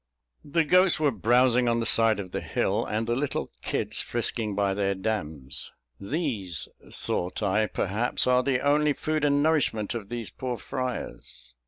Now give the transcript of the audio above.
The goats were browsing on the side of the hill, and the little kids frisking by their dams. "These," thought I, "perhaps are the only food and nourishment of these poor friars."